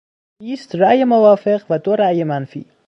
بیست رای موافق و دو رای منفی